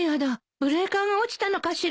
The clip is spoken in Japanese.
ブレーカーが落ちたのかしら。